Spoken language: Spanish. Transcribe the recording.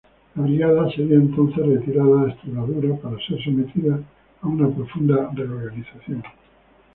La brigada sería entonces retirada a Extremadura, para ser sometida a una profunda reorganización.